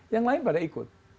yang lain pada ikut